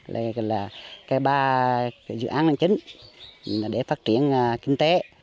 đây là ba dự án năng chính để phát triển kinh tế